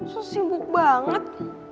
sambil sibuk banget